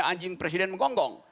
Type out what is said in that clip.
anjing presiden menggonggong